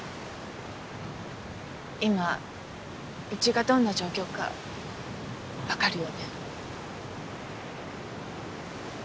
今うちがどんな状況か分かるよね？